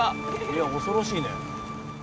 いや恐ろしいね。